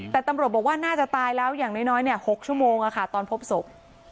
แต่ตำรวจบอกว่าน่าจะตายแล้วอย่างน้อย๖ชั่วโมงตอนพบศพ